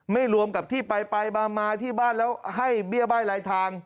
รวมกับที่ไปมาที่บ้านแล้วให้เบี้ยบ้ายลายทาง